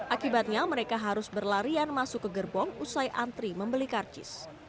akibatnya mereka harus berlarian masuk ke gerbong usai antri membeli karcis